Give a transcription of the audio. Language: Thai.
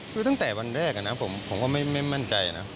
คือตั้งแต่วันแรกนะผมก็ไม่มั่นใจนะ